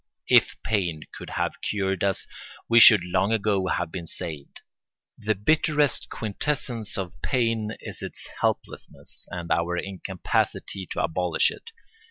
If pain could have cured us we should long ago have been saved. The bitterest quintessence of pain is its helplessness, and our incapacity to abolish it.